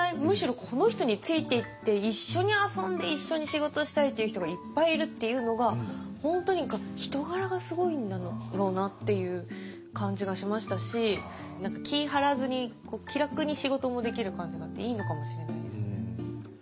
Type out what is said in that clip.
むしろこの人についていって一緒に遊んで一緒に仕事したいって人がいっぱいいるっていうのが本当に人柄がすごいんだろうなっていう感じがしましたし気ぃ張らずに気楽に仕事もできる感じがあっていいのかもしれないですね。